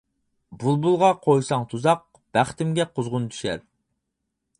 بۇلبۇلغا قويساڭ تۇزاق، بەختىمگە قۇزغۇن چۈشەر.